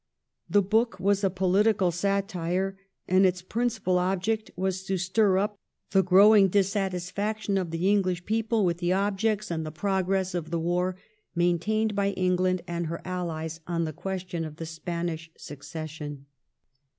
The book was a political satire, and its principal object was to stir up the growing dissatisfaction of the English people with the objects and the progress of the war maintained by England and her allies on the question of the Spanish Succession.